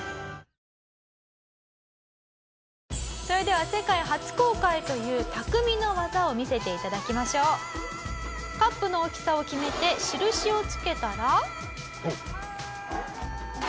「それでは世界初公開という匠の技を見せて頂きましょう」「カップの大きさを決めて印をつけたら」